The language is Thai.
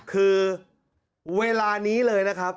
คือเวลานี้เลยนะครับ